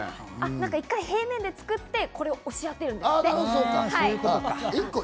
一回平面で作って、これを押し当てるんですって。